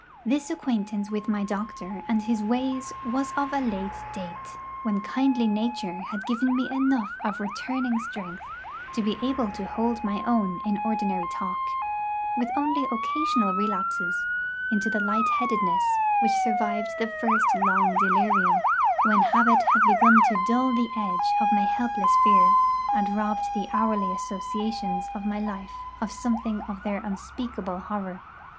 This acquaintance with my doctor and his ways was of a late date, when kindly nature had given me enough of returning strength to be able to hold my own in ordinary talk, with only occasional relapses into the light headedness which survived the first long delirium, when habit had begun to dull the edge of my helpless fear, and robbed the hourly associations of my life of something of their unspeakable horror.